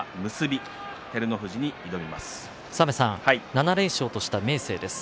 ７連勝とした明生です。